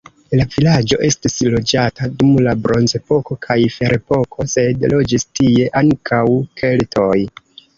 La vilaĝo estis loĝata dum la bronzepoko kaj ferepoko, sed loĝis tie ankaŭ keltoj.